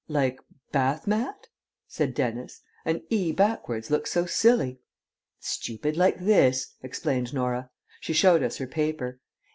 "Like 'bath mat'?" said Dennis. "An 'e' backwards looks so silly." "Stupid like this," explained Norah. She showed us her paper.